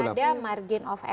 padahal masih ada margin of error